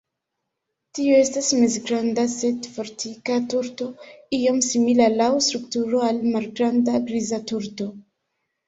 Tiu estas mezgranda sed fortika turdo, iom simila laŭ strukturo al malgranda Griza turdo.